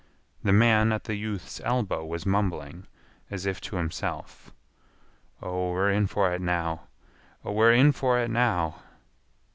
The man at the youth's elbow was mumbling, as if to himself: "Oh, we're in for it now! oh, we're in for it now!"